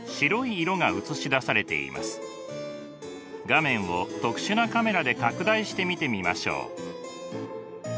画面を特殊なカメラで拡大して見てみましょう。